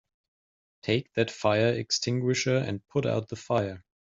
Take that fire extinguisher and put out the fire!